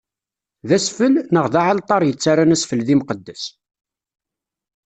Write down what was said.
D asfel, neɣ d aɛalṭar yettarran asfel d imqeddes?